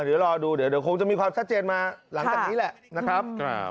เดี๋ยวรอดูเดี๋ยวคงจะมีความชัดเจนมาหลังจากนี้แหละนะครับ